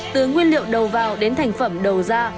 từ nguyên liệu đầu vào đến thành phẩm đầu ra